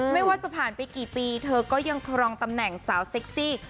ไม่ว่าจะผ่านไปกี่ปีเธอก็ยังครองตำแหน่งสาวเซ็กซี่